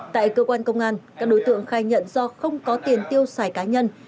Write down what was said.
tại cơ quan công an các đối tượng khai nhận do không có tiền tiêu xài cá nhân